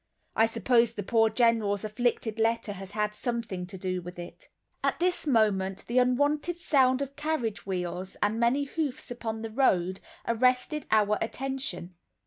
I suppose the poor General's afflicted letter has had something to do with it." At this moment the unwonted sound of carriage wheels and many hoofs upon the road, arrested our attention.